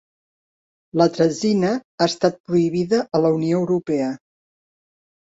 L'atrazina ha estat prohibida a la Unió Europea.